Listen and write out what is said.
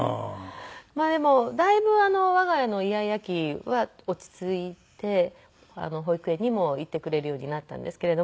でもだいぶ我が家のイヤイヤ期は落ち着いて保育園にも行ってくれるようになったんですけれども。